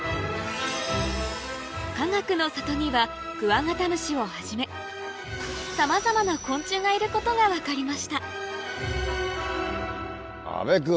かがくの里にはクワガタムシをはじめさまざまな昆虫がいることが分かりました阿部君。